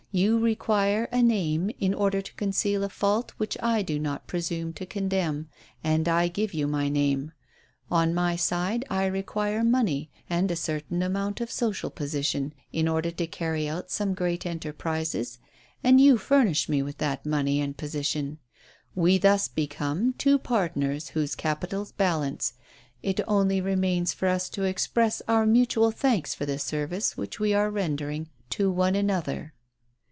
You require a name, in order to conceal a fault which I do not presume to condemn, and I give you my name. On my side I require money, and a certain social position, in order to carry out some great enterprises, and you furnish me with that money and position. We thus become two partners whose capitals balance. It only remains for us to express our mutual thanks for the service which we are rendering to one another."